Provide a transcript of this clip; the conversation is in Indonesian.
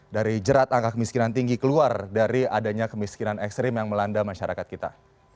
dari jerat angka kemiskinan tinggi keluar dari adanya kemiskinan ekstrim yang melanda masyarakat kita